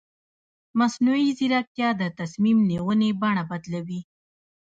مصنوعي ځیرکتیا د تصمیم نیونې بڼه بدلوي.